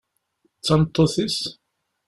D tameṭṭut-is?